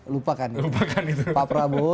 lupakan lupakan pak prabowo